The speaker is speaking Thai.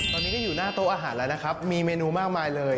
ตอนนี้ก็อยู่หน้าโต๊ะอาหารแล้วนะครับมีเมนูมากมายเลย